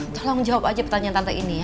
tolong jawab aja pertanyaan tante ini ya